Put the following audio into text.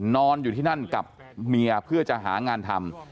นอนอยู่ที่นั่นกับเมียเพื่อจะหางานทำ